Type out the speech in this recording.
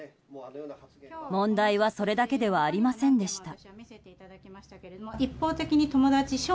問題はそれだけではありませんでした。